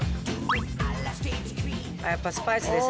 やっぱスパイスですね。